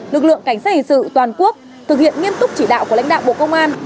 lực lượng cảnh sát hình sự toàn quốc thực hiện nghiêm túc chỉ đạo của lãnh đạo bộ công an